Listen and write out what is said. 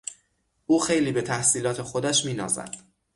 او خیلی به تحصیلات خودش مینازد.